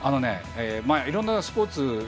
いろんなスポーツ